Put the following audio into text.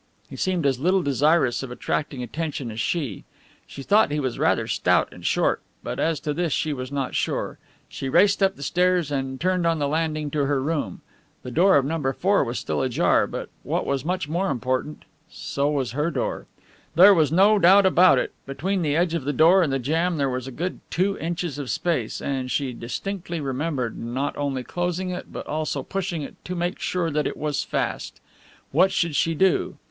He seemed as little desirous of attracting attention as she. She thought he was rather stout and short, but as to this she was not sure. She raced up the stairs and turned on the landing to her room. The door of No. 4 was still ajar but what was much more important, so was her door. There was no doubt about it, between the edge of the door and the jamb there was a good two inches of space, and she distinctly remembered not only closing it, but also pushing it to make sure that it was fast. What should she do?